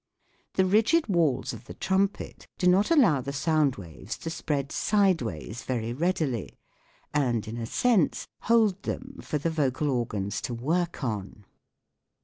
The rigid walls of the trumpet do not allow the Sound waves to spread WHAT IS SOUND? 13 sideways very readily, and, in a sense, hold them for the vocal organs to work on.